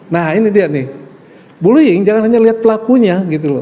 nah ini dia nih bullying jangan hanya lihat pelakunya gitu loh